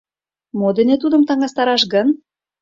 Мо дене тудым таҥастараш гын?